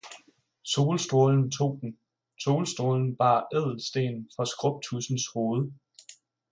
Solstrålen tog den, solstrålen bar ædelstenen fra skrubtudsens hoved.